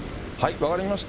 分かりました。